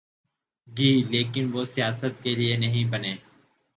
گی لیکن وہ سیاست کے لئے نہیں بنے۔